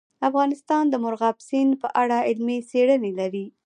افغانستان د مورغاب سیند په اړه علمي څېړنې لري.